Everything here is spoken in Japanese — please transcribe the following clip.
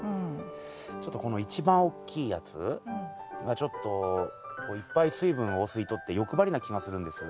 ちょっとこの一番おっきいやつがちょっとこういっぱい水分を吸い取って欲張りな気がするんです。